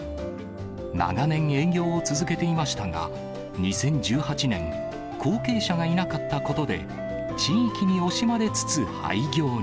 長年、営業を続けていましたが、２０１８年、後継者がいなかったことで、地域に惜しまれつつ廃業に。